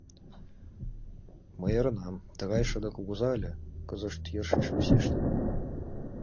Мый ӧрынам, тыгай шыде кугыза ыле, кызыт йӧршеш весештын.